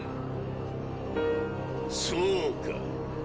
そうか煖